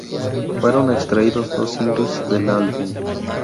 Fueron extraídos dos singles del álbum.